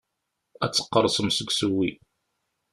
Ad teqqerṣemt seg usewwi.